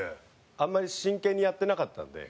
あんまり真剣にやってなかったんで。